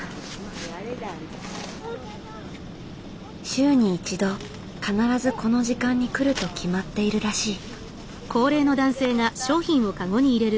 週に一度必ずこの時間に来ると決まっているらしい。